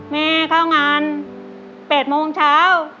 แม่เข้างาน๘โมงเช้า